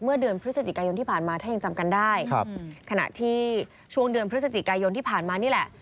เดือนพฤศจิกายนที่ผ่านมาถ้ายังจำกันได้ครับขณะที่ช่วงเดือนพฤศจิกายนที่ผ่านมานี่แหละ